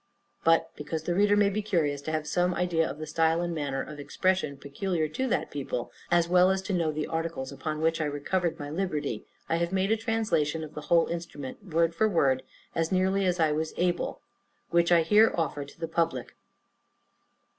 But, because the reader may be curious to have some idea of the style and manner of expression peculiar to that people, as well as to know the articles upon which I recovered my liberty, I have made a translation of the whole instrument, word for word, as near as I was able, which I here offer to the public.